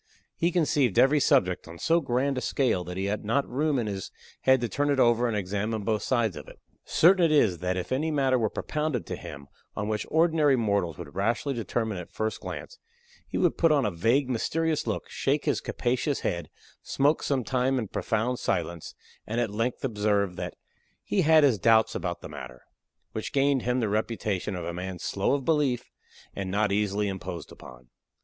He conceived every subject on so grand a scale that he had not room in his head to turn it over and examine both sides of it. Certain it is that, if any matter were propounded to him on which ordinary mortals would rashly determine at first glance, he would put on a vague, mysterious look, shake his capacious head, smoke some time in profound silence, and at length observe that "he had his doubts about the matter"; which gained him the reputation of a man slow of belief and not easily imposed upon.